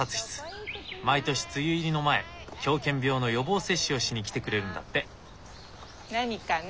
毎年梅雨入りの前狂犬病の予防接種をしに来てくれるんだって。何かな？